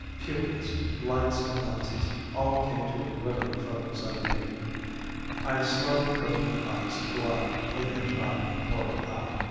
Pupils, lights and lenses, all came to a glittering focus on me. I slowly closed my eyes to blot the hypnotic horror out.